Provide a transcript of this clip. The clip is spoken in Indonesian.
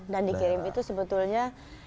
dan dikirim itu sebetulnya